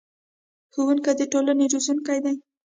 ښوونکي د ټولنې روزونکي دي